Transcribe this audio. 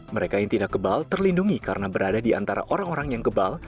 mereka yang tidak kebal terlindungi karena berada di antara orang orang yang kebal